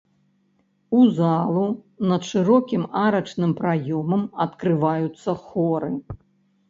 У залу над шырокім арачным праёмам адкрываюцца хоры.